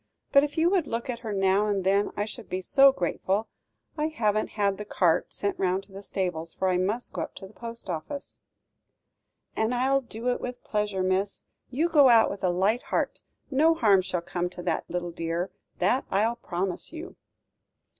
But, if you would look at her now and then I should be so grateful. I haven't had the cart, sent round to the stables, for I must go up to the post office." "And I'll do it with pleasure, miss. You go out with a light heart; no harm shall come to that little dear, that I'll promise you."